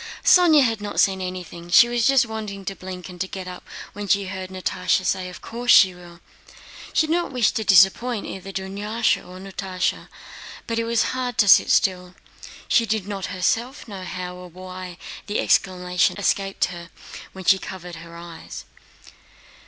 Sónya had not seen anything, she was just wanting to blink and to get up when she heard Natásha say, "Of course she will!" She did not wish to disappoint either Dunyásha or Natásha, but it was hard to sit still. She did not herself know how or why the exclamation escaped her when she covered her eyes.